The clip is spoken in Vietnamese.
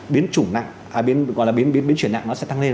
biến chuyển nặng nó sẽ tăng lên